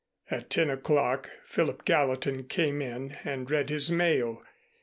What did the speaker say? At ten o'clock Philip Gallatin came in and read his mail.